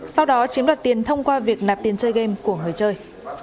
sau đó chiếm đoạt tiền thông qua việc nạp tiền chơi game của người chơi